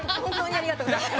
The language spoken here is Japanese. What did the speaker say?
ありがとうございます